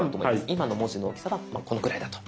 今の文字の大きさはこのくらいだと。